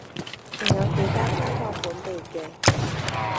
仲有幾間香港本地嘅